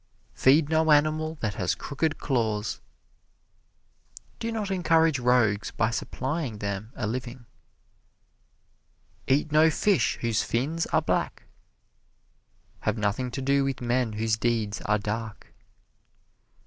"Feed no animal that has crooked claws" do not encourage rogues by supplying them a living. "Eat no fish whose fins are black" have nothing to do with men whose deeds are dark.